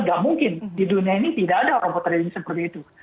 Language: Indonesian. nggak mungkin di dunia ini tidak ada robot trading seperti itu